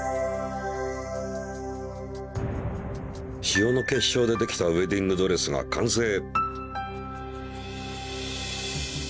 塩の結晶でできたウエディングドレスが完成！